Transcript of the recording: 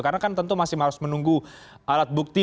karena kan tentu masih harus menunggu alat bukti